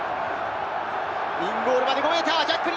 インゴールまで５ｍ。